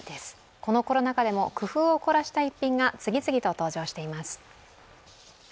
このコロナ禍でも工夫を凝らした逸品が次々と登場しています。